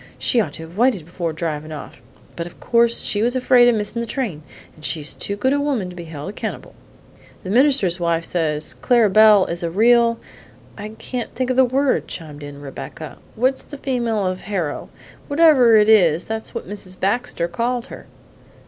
She'd ought to have waited before drivin' off; but of course she was afraid of missing the train, and she's too good a woman to be held accountable." "The minister's wife says Clara Belle is a real I can't think of the word!" chimed in Rebecca. "What's the female of hero? Whatever it is, that's what Mrs. Baxter called her!"